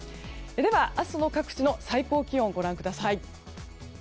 明日の各地の最高気温をご覧ください。